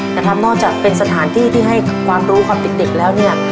นะครับนอกจากเป็นสถานที่ที่ให้ความรู้ความติดแล้วเนี่ย